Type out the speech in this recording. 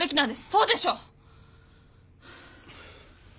そうでしょう？